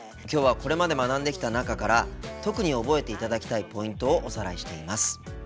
今日はこれまで学んできた中から特に覚えていただきたいポイントをおさらいしています。